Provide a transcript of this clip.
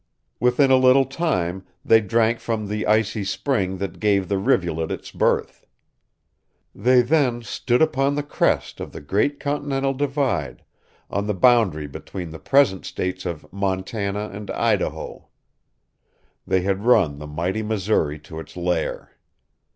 Within a little time they drank from the icy spring that gave the rivulet its birth. They then stood upon the crest of the great Continental Divide, on the boundary between the present States of Montana and Idaho. They had run the mighty Missouri to its lair!